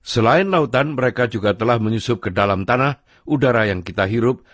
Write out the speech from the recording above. selain lautan mereka juga telah menyusup ke dalam tanah udara yang kita hirup